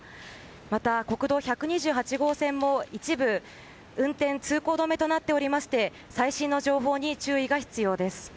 また、国道１２８号線も一部で通行止めとなっておりまして最新の情報に注意が必要です。